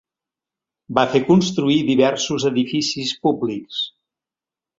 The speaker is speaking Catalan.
Va fer construir diversos edificis públics.